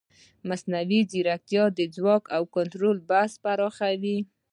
مصنوعي ځیرکتیا د ځواک او کنټرول بحث پراخوي.